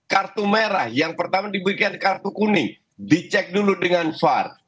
kartu merah yang pertama diberikan kartu kuning dicek dulu dengan var